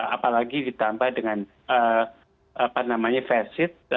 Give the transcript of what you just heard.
apalagi ditambah dengan apa namanya facet